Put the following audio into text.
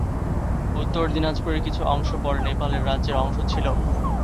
উত্তর দিনাজপুরের কিছু অংশ পরে নেপালের রাজ্যের অংশ ছিল।